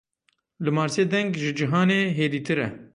Li Marsê deng ji cihanê hêdîtir e.